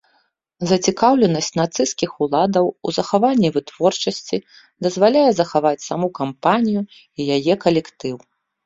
Зацікаўленасць нацысцкіх уладаў у захаванні вытворчасці дазваляе захаваць саму кампанію і яе калектыў.